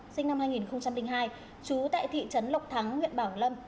sinh năm hai nghìn hai chú tại thị trấn lộc thắng huyện bảo lâm